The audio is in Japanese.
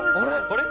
「あれ？